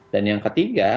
dan yang ketiga